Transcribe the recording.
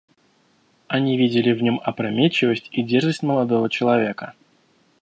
Они видели в нем опрометчивость и дерзость молодого человека.